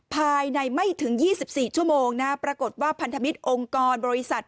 ภายในไม่ถึงยี่สิบสี่ชั่วโมงนะปรากฏว่าพันธมิตรองกรบริษัท